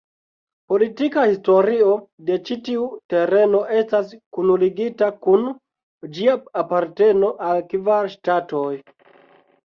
Politika historio de ĉi tiu tereno estas kunligita kun ĝia aparteno al kvar ŝtatoj.